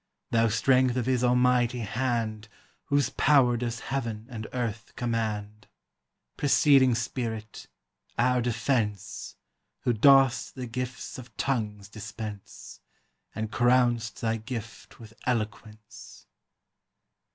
Thou strength of his almighty hand. Whose power does heaven and earth command! Proceeding Spirit, our defence, Who dost the gifts of tongues dispense, And crown'st thy gift with eloquence!